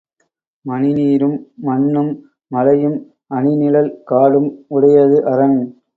மணிநீரும் மண்ணும் மலையும் அணி நிழல் காடும் உடையது அரண்